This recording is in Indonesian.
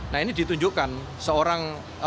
nah ini ditunjukkan seorang tukang mebel bisa jadi presiden